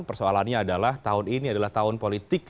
persoalannya adalah tahun ini adalah tahun politik